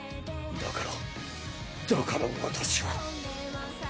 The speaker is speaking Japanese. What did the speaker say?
だからだから私は